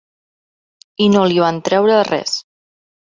I no li van treure res.